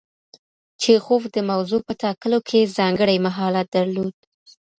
چیخوف د موضوع په ټاکلو کې ځانګړی مهارت درلود.